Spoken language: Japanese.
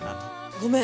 ごめん！